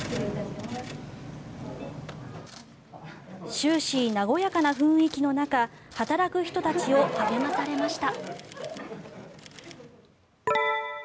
終始、和やかな雰囲気の中働く人たちを励まされました。